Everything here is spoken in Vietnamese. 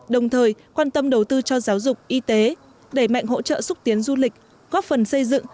đồng thời quan tâm đầu tư cho giáo dục y tế đẩy mạnh hỗ trợ xúc tiến du lịch góp phần xây dựng